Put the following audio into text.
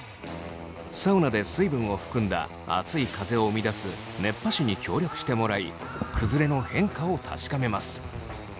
サウナで水分を含んだ熱い風を生み出す熱波師に協力してもらい崩れの変化を確かめます。